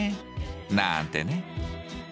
なんてね。